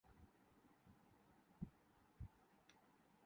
تو اب آ پ کو اس بارے میں پریشان ہونے کی ضرورت نہیں ہے